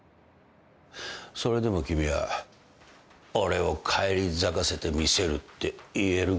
それでも君は俺を返り咲かせてみせるって言えるか？